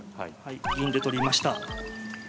銀で取りました。